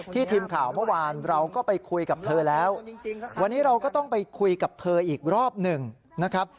ทีมข่าวเมื่อวานเราก็ไปคุยกับเธอแล้ววันนี้เราก็ต้องไปคุยกับเธออีกรอบหนึ่งนะครับ